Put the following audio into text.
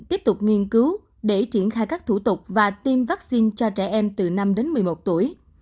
tiếp tục nghiên cứu để triển khai các thủ tục và tiêm vaccine cho trẻ em từ năm đến một mươi một tuổi